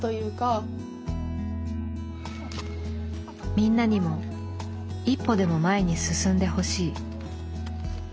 みんなにも一歩でも前に進んでほしい。